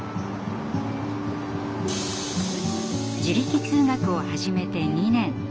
自力通学を始めて２年。